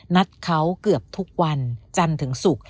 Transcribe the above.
นัดเขาเกือบทุกวันจันทร์ถึงศุกร์